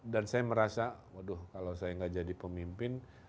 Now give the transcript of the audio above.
dan saya merasa waduh kalau saya gak jadi pemimpin